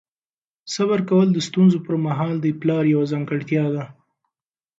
صبر کول د ستونزو پر مهال د پلار یوه ځانګړتیا ده.